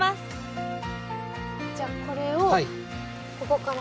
じゃこれをここから？